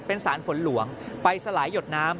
เป็นสารฝนหลวงไปสลายหยดน้ำ